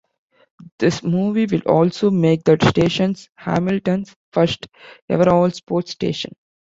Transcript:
This move will also make the station Hamilton's first-ever all-sports station.